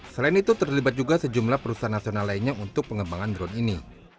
selain itu terlibat juga sejumlah perusahaan nasional lainnya untuk pengembangan drone ini